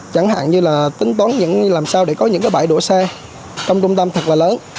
chẳng hạn như là tính toán làm sao để có những bãi đổ xe trong trung tâm thật là lớn